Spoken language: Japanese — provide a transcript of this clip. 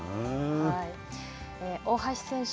大橋選手